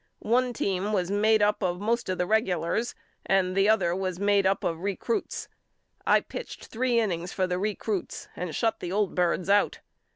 One team was made up of most of the regulars and the other was made up of recruts. I pitched three innings for the recruts and shut the old birds out.